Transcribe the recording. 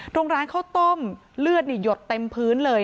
ร้านข้าวต้มเลือดหยดเต็มพื้นเลย